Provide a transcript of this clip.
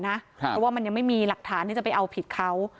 เพราะว่ามันยังไม่มีหลักฐานที่จะไปเอาผิดเขา